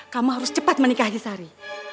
kamu harus cepat menikahi sari